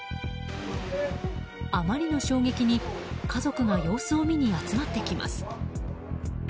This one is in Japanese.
あまりの衝撃に家族が様子を見に集まってきます。